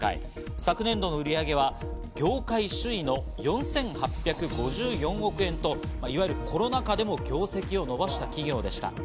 昨年度の売り上げは業界首位の４８５４億円といわゆるコロナ禍でも業績を伸ばした企業でした。